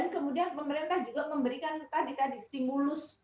kemudian pemerintah juga memberikan tadi stimulus